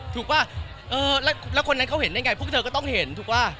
ป่ะเออแล้วคนนั้นเขาเห็นได้ไงพวกเธอก็ต้องเห็นถูกป่ะ